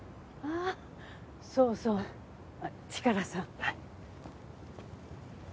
ああそうそうチカラさん。